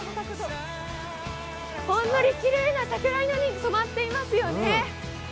ほんのりきれいな桜色に染まっていますよね。